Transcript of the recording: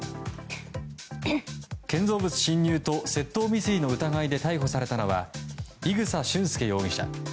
建造物侵入と窃盗未遂の疑いで逮捕されたのは伊草俊輔容疑者。